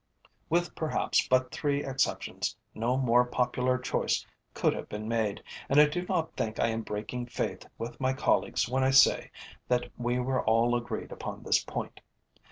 With perhaps but three exceptions, no more popular choice could have been made, and I do not think I am breaking faith with my colleagues when I say that we were all agreed upon this point.